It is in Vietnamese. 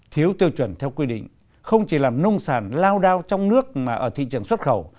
thiếu tiêu chuẩn theo quy định không chỉ làm nông sản lao đao trong nước mà ở thị trường xuất khẩu